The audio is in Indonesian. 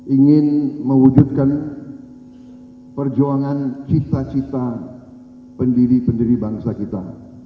ingin mewujudkan perjuangan cita cita pendiri pendiri bangsa kita